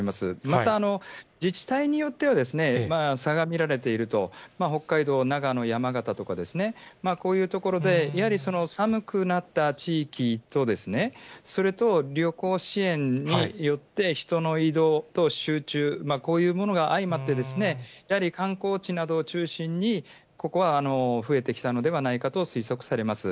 また、自治体によっては、差が見られていると、北海道、長野、山形とかですね、こういう所でやはり寒くなった地域と、それと旅行支援によって、人の移動と集中、こういうものが相まって、やはり観光地などを中心に、ここは増えてきたのではないかと推測されます。